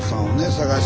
探して。